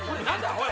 おい。